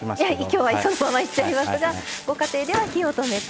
今日はそのままいっちゃいますがご家庭では火を止めて。